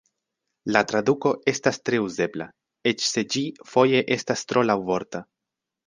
La traduko estas tre uzebla, eĉ se ĝi foje estas tro laŭvorta.